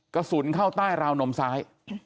กระสุนเข้าใต้ราวนมซ้าย